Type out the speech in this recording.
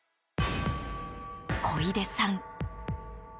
小出さん。